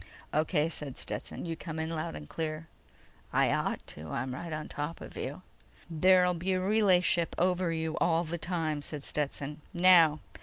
"O.K.," said Stetson. "You come in loud and clear." "I ought to. I'm right on top of you!" "There'll be a relay ship over you all the time," said Stetson. "Now